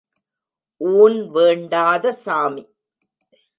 ஊன் வேண்டாத சாமி!